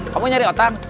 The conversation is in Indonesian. kamu nyari otang